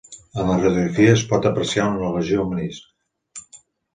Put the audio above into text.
En la radiografia es pot apreciar una lesió al menisc.